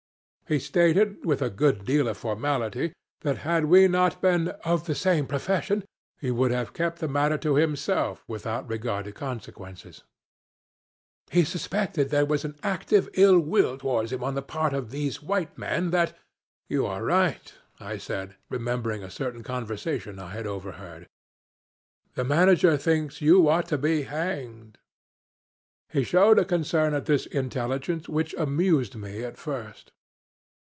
"He stated with a good deal of formality that had we not been 'of the same profession,' he would have kept the matter to himself without regard to consequences. 'He suspected there was an active ill will towards him on the part of these white men that ' 'You are right,' I said, remembering a certain conversation I had overheard. 'The manager thinks you ought to be hanged.' He showed a concern at this intelligence which amused me at first.